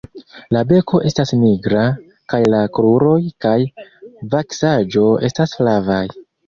La beko estas nigra kaj la kruroj kaj vaksaĵo estas flavaj.